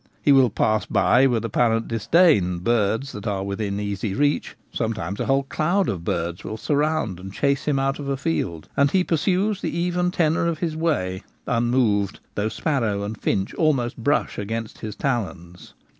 He will pass by with apparent disdain birds that. are within easy reach. Sometimes a whole cloud of birds will surround and chase him out of a field ; and he pursues the even tenour of his way unmoved, though sparrow and finch Birds of Prey. 123 almost brush against his talons.